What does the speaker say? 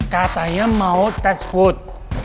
katanya mau tes food